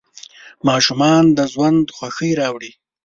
ماشومان د ژوند خوښي راوړي.